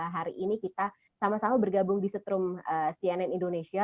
hari ini kita sama sama bergabung di setrum cnn indonesia